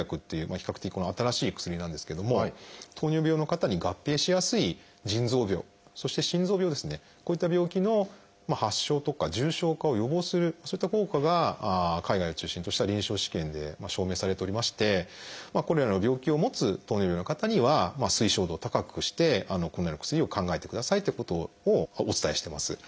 比較的新しい薬なんですけども糖尿病の方に合併しやすい腎臓病そして心臓病ですねこういった病気の発症とか重症化を予防するそういった効果が海外を中心とした臨床試験で証明されておりましてこのような病気を持つ糖尿病の方には推奨度を高くしてこのような薬を考えてくださいってことをお伝えしてます。